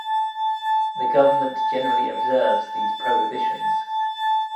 The government generally observes these prohibitions.